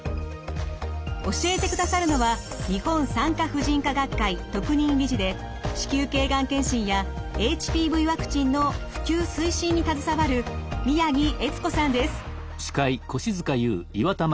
教えてくださるのは日本産科婦人科学会特任理事で子宮頸がん検診やＨＰＶワクチンの普及推進に携わる宮城悦子さんです。